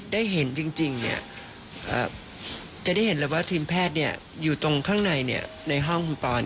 ได้เห็นจริงจะได้เห็นเลยว่าทีมแพทย์อยู่ตรงข้างในในห้องคุณปอน